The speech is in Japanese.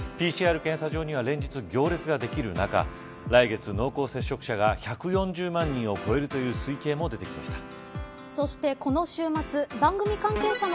ＰＣＲ検査所には連日行列ができる中来月、濃厚接触者が１４０万人を超えるという推計も出てきました。